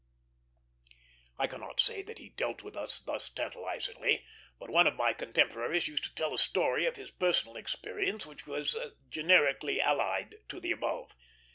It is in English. I cannot say that he dealt with us thus tantalizingly; but one of my contemporaries used to tell a story of his personal experience which was generically allied to the above.